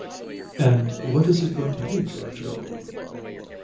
"And what is it going to be, Giorgio?"